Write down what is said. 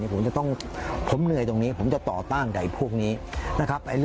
ผมจะต้องผมเหนื่อยตรงนี้ผมจะต่อต้านใดพวกนี้นะครับ